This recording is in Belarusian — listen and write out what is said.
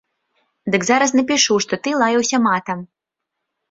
Дык зараз напішу, што ты лаяўся матам.